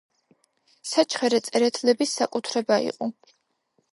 საჩხერე წერეთლების საკუთრება იყო.